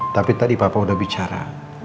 tapi tadi papa udah bicara